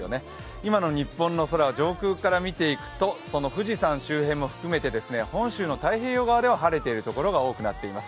今の日本の空を上空から見ていくとその富士山周辺も含めて本州の太平洋側では晴れているところが多くなっています。